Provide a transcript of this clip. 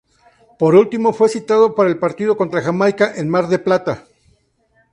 Por último, fue citado para el partido contra Jamaica, en Mar del Plata.